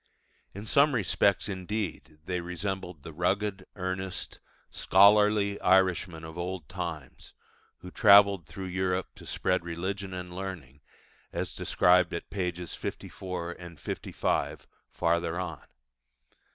In some respects indeed they resembled the rugged, earnest, scholarly Irishmen of old times, who travelled through Europe to spread religion and learning, as described at pp. 54, 55, farther on.